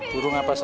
burung apa saja